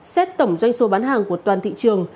xét tổng doanh số bán hàng của toàn thị trường